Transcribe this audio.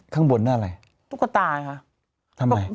ข้างบนอะไรอ่ะตุ๊กตาจริงป่ะทำไม